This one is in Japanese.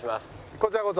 こちらこそ。